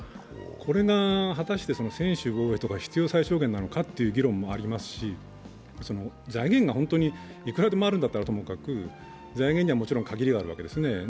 これが果たして専守防衛とか必要最小限なのかという議論もありますし、財源が本当にいくらでもあるならともかく、財源にはもちろん限りがあるわけですね。